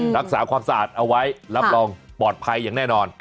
รักษาความสะอาดเอาไว้รับรองปลอดภัยอย่างแน่นอน